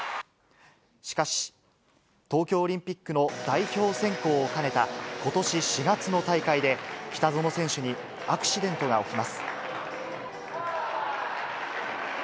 しかし、東京オリンピックの代表選考を兼ねたことし４月の大会で、北園選手にアクシデントが起きます。